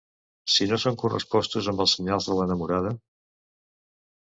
Si no són correspostos amb els senyals de l’enamorada...